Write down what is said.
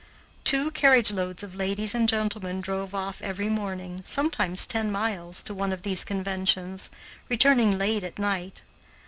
Two carriage loads of ladies and gentlemen drove off every morning, sometimes ten miles, to one of these conventions, returning late at night.